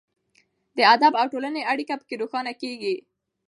د ادب او ټولنې اړیکه پکې روښانه کیږي.